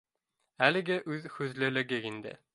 Әлеге үҙ һүҙлелеге инде